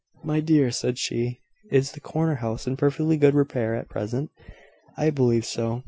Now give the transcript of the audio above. "My dear," said she, "is the corner house in perfectly good repair at present?" "I believe so.